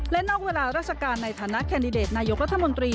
และนอกเวลาราชการในฐานะแคนดิเดตนายกรัฐมนตรี